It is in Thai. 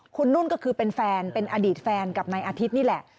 คุณนุ่นก็คือเป็นแฟนเป็นอดีตแฟนกับนายอาทิตย์นี่แหละ